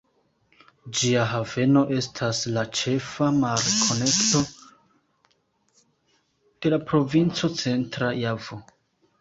Ĝia haveno estas la ĉefa mar-konekto de la provinco Centra Javo.